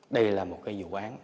đây là một cái vụ án